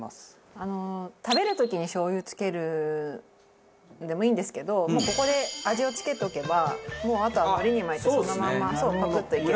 あの食べる時にしょう油つけるのでもいいんですけどもうここで味を付けておけばもうあとはのりに巻いてそのまんまパクッといける。